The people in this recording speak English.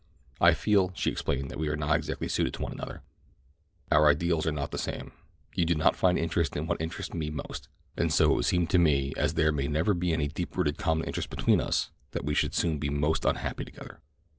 "I feel," she explained, "that we are not exactly suited to one another—our ideals are not the same. You do not find interest in that which interests me most, and so it seems to me that as there may never be any deep rooted common interest between us that we should soon be most unhappy together."